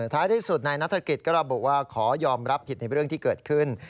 ท้ายที่สุดนายนัฐกิจก็ระบุว่าขอยอมรับผิดในเรื่องที่เกิดขึ้น